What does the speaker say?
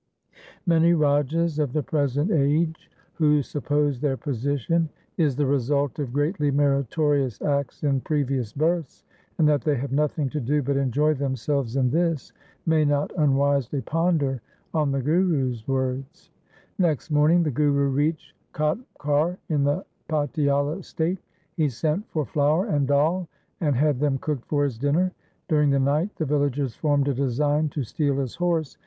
1 Many Rajas of the present age who suppose their position is the result of greatly meritorious acts in previous births, and that they have nothing to do but enjoy themselves in this, may not unwisely ponder on the Guru's words. Next morning the Guru reached Khatkar in the Patiala state. He sent for flour and dal, and had them cooked for his dinner. During the night the villagers formed a design to steal his horse, which 1 Suraj Parkash, Ras XII, Chap. 34.